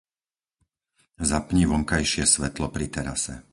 Zapni vonkajšie svetlo pri terase.